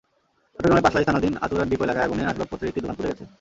চট্টগ্রামের পাঁচলাইশ থানাধীন আতুরার ডিপো এলাকায় আগুনে আসবাবের একটি দোকান পুড়ে গেছে।